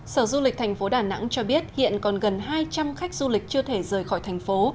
sở du lịch thành phố đà nẵng cho biết hiện còn gần hai trăm linh khách du lịch chưa thể rời khỏi thành phố